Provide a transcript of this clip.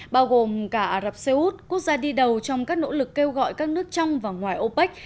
bao gồm cả ả rập xê út quốc gia đi đầu trong các nỗ lực kêu gọi các nước trong và ngoài opec